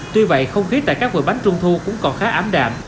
tuy vậy không khí tại các vườn bánh trung thu cũng còn khá ám đạm